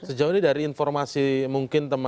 sejauh ini dari informasi mungkin tersebut